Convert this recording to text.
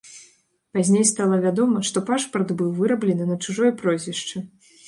Пазней стала вядома, што пашпарт быў выраблены на чужое прозвішча.